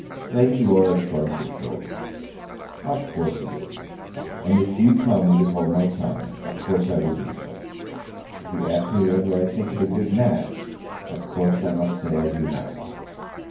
Lady Laura shrugged her shoulders. "Of course it is; and if you tell me to hold my tongue, of course I will do so. If you ask me whether I think it a good match, of course I must say I do not."